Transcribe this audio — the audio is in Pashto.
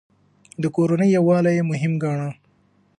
د کورنۍ يووالی يې مهم ګاڼه.